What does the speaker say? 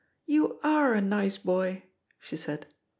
"You are a nice boy," she said.